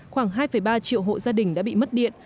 khoảng hai ba triệu hộ gia đình đã bị mất điện